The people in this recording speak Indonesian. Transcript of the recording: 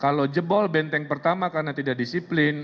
kalau jebol benteng pertama karena tidak disiplin